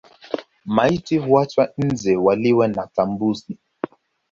Maiti huachwa nje waliwe na tumbusi